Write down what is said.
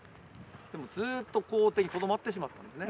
でもずっと校庭にとどまってしまったんですね。